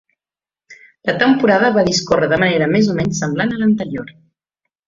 La temporada va discórrer de manera més o menys semblant a l'anterior.